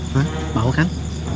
hah mau kan